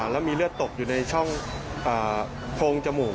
แล้วมีเลือดตกอยู่ในช่องโพงจมูก